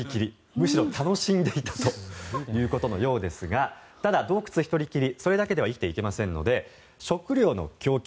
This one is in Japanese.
むしろ楽しんでいたということのようですがただ、洞窟１人きりそれだけでは生きていけませんので食料の供給